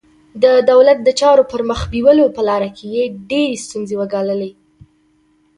د دولت د چارو پر مخ بیولو په لاره کې یې ډېرې ستونزې وګاللې.